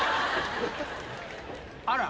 あら。